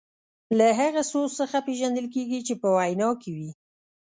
له هغه سوز څخه پېژندل کیږي چې په وینا کې وي.